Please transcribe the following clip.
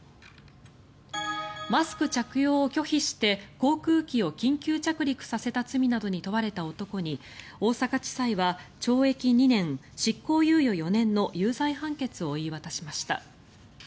マスク着用を拒否して航空機を緊急着陸させた罪などに問われた男に大阪地裁は懲役２年執行猶予４年の有罪判決を言い渡しました。